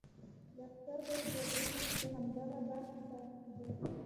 لښکر به یې دوه درې میاشتې په همدې باغ کې پاتې کېده.